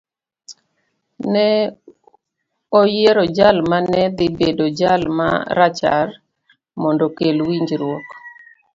Ne oyiero jal ma ne dhi bedo jal ma rachar mondo okel winjruok